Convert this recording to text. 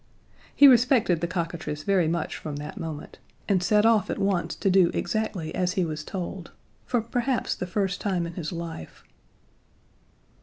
He respected the cockatrice very much from that moment, and set off at once to do exactly as he was told for perhaps the first time in his life.